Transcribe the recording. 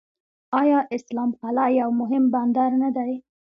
آیا اسلام قلعه یو مهم بندر نه دی؟